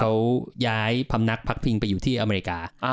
เขาย้ายพำนักพักพิงไปอยู่ที่อเมริกา